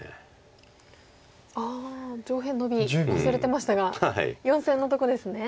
ああ上辺ノビ忘れてましたが４線のとこですね。